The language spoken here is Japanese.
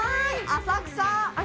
浅草。